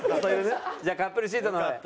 じゃあカップルシートの方へ。